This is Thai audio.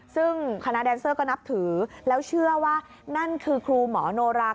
ซึ่งคณะแดนเซอร์ก็นับถือแล้วเชื่อว่านั่นคือครูหมอโนราม